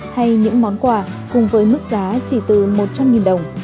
hay những món quà cùng với mức giá chỉ từ một trăm linh đồng